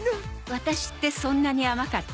ワタシってそんなに甘かった？